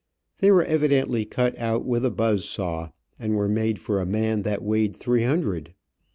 They were evidently cut out with a buzz saw, and were made for a man that weighed three hundred.